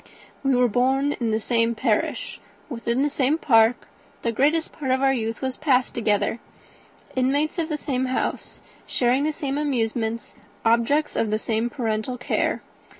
"We were born in the same parish, within the same park; the greatest part of our youth was passed together: inmates of the same house, sharing the same amusements, objects of the same parental care.